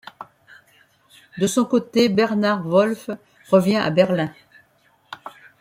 De son côté, Bernhard Wolff revient à Berlin.